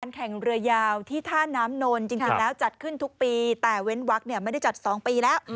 แข่งเรือยาวที่ท่าน้ำนนจริงแล้วจัดขึ้นทุกปีแต่เว้นวักเนี่ยไม่ได้จัด๒ปีแล้ว